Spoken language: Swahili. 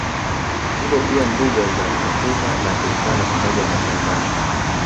Zipo pia mbuga za Kakuma na Turkana pamoja na Naivasaha